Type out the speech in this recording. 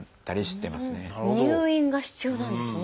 入院が必要なんですね。